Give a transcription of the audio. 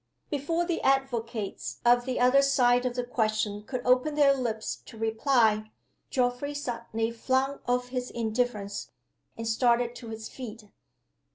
Before the advocates of the other side of the question could open their lips to reply, Geoffrey suddenly flung off his indifference, and started to his feet.